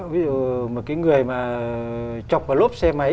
ví dụ một cái người mà chọc vào lốp xe máy